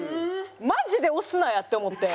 マジで押すなや！って思って。